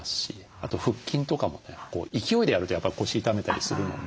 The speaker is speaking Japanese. あと腹筋とかもね勢いでやるとやっぱり腰痛めたりするので。